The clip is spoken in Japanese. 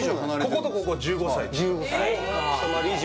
こことここ１５歳です